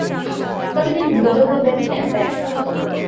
তবে তিনি দুরারোগ্য ব্যাধি ক্যানসারে আক্রান্ত।